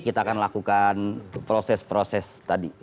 kita akan lakukan proses proses tadi